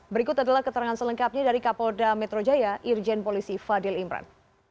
berikut adalah keterangan selengkapnya dari kapolda metro jaya irjen polisi fadil imran